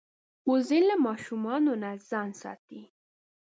وزې له ماشومانو نه ځان ساتي